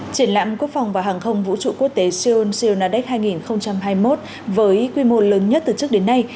triển lãm quốc phòng và hàng không vũ trụ quốc tế seoul silnadex hai nghìn hai mươi một với quy mô lớn nhất từ trước đến nay